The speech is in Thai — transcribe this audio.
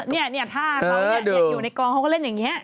เนี่ยถ้าเขาอยู่ในกองเขาก็เล่นอย่างนี้